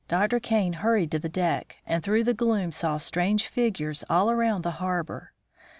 Dr. Kane hurried to the deck, and through the gloom saw strange figures all around the harbor.